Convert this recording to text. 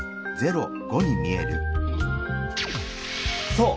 そう！